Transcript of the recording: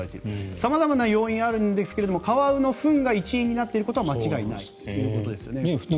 様々な要因がありますがカワウのフンが一因になっていることは間違いないということです。